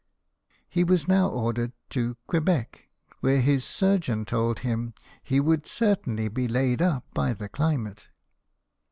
He was now ordered to Quebec, where his surgeon told him he would certainly be laid up by the climate.